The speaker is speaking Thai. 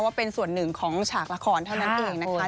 ว่าเป็นส่วนหนึ่งของฉากละครเท่านั้นเองนะคะ